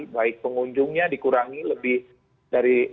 baik pengunjungnya dikurangi lebih dari